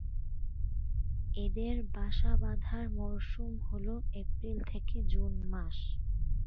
এদের বাসা বাধার মরসুম হল এপ্রিল থেকে জুন মাস।